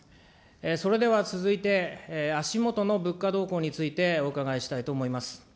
それでは続いて、足下の物価動向についてお伺いしたいと思います。